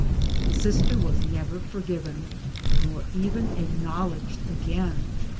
The sister was never forgiven, nor even acknowledged again.